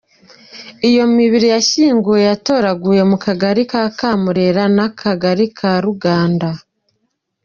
Iyo mibiri yahsyinguwe yatoraguwe mu Kagari ka Kamurera n’Akagari ka Ruganda.